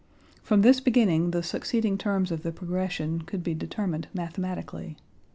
From this beginning the succeeding terms of the progression could be determined mathematically.